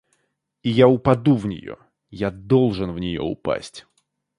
И я упаду в нее, я должен в нее упасть.